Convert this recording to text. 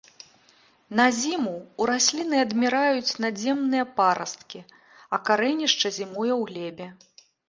На зіму ў расліны адміраюць надземныя парасткі, а карэнішча зімуе ў глебе.